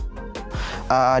dalam pengolahan sampah plastiknya